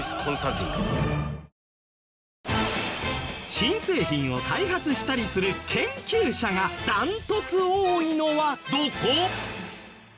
新製品を開発したりする研究者がダントツ多いのはどこ？